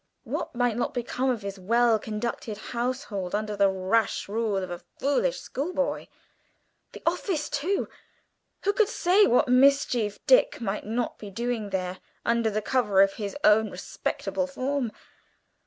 What might not become of his well conducted household under the rash rule of a foolish schoolboy! The office, too who could say what mischief Dick might not be doing there, under the cover of his own respectable form?